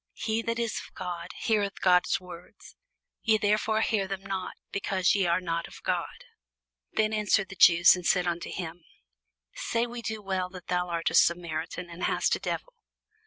He that is of God heareth God's words: ye therefore hear them not, because ye are not of God. Then answered the Jews, and said unto him, Say we not well that thou art a Samaritan, and hast a devil?